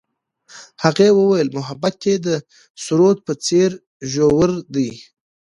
هغې وویل محبت یې د سرود په څېر ژور دی.